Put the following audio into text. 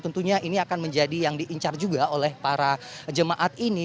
tentunya ini akan menjadi yang diincar juga oleh para jemaat ini